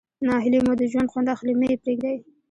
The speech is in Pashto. ناهلي مو د ژوند خوند اخلي مه ئې پرېږدئ.